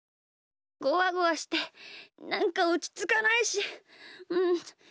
ゴワゴワしてなんかおちつかないしちょっといたい。